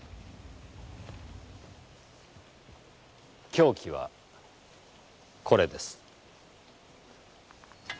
凶器はこれです。